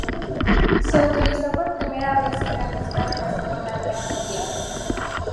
Se utilizó por primera vez a gran escala en la Segunda Guerra Mundial.